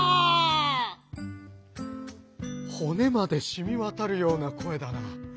「骨までしみ渡るような声だな。